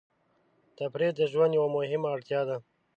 تفریح د ژوند یوه مهمه اړتیا ده.